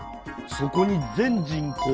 そこに全人口